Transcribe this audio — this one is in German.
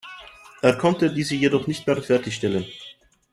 Er konnte diese jedoch nicht mehr fertigstellen.